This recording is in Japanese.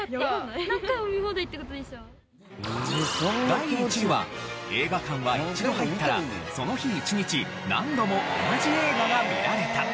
第１位は映画館は一度入ったらその日一日何度も同じ映画が見られた。